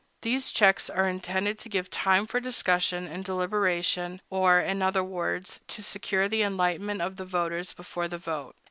These checks are intended to give time for discussion and deliberation, or, in other words, to secure the enlightenment of the voters before the vote.